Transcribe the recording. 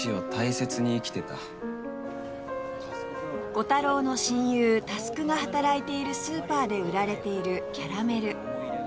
コタローの親友佑が働いているスーパーで売られているキャラメル